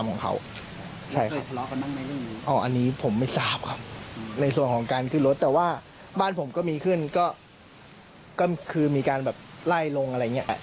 อันนี้ผมไม่ทราบครับในส่วนของการขึ้นรถแต่ว่าบ้านผมก็มีขึ้นก็คือมีการแบบไล่ลงอะไรอย่างเงี้ย